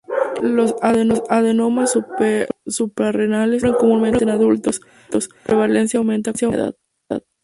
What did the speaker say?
Los adenomas suprarrenales ocurren comúnmente en adultos, la prevalencia aumenta con la edad.